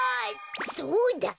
そうだ。